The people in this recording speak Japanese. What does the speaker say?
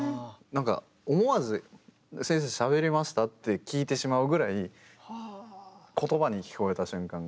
なんか思わず先生しゃべりました？って聞いてしまうぐらい言葉に聞こえた瞬間が。